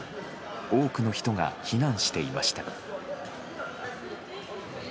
多くの人が避難していました。